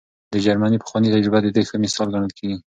د جرمني پخوانۍ تجربه د دې ښه مثال ګڼل کېږي.